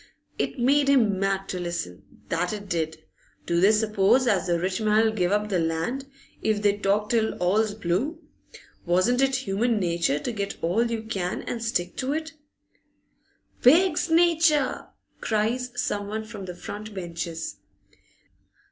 It made him mad to listen, that it did! Do they suppose as the rich man 'll give up the land, if they talk till all's blue? Wasn't it human natur to get all you can and stick to it? 'Pig's nature!' cries someone from the front benches.